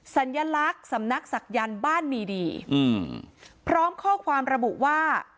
สัญลักษณ์สำนักศักยันต์บ้านมีดีอืมพร้อมข้อความระบุว่า